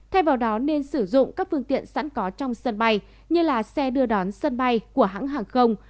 thay vào đó nên sử dụng các phương tiện sẵn có trong sân bay như là xe đưa đón sân bay của hãng hàng không